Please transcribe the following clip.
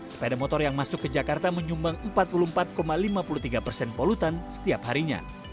sepeda motor yang masuk ke jakarta menyumbang empat puluh empat lima puluh tiga persen polutan setiap harinya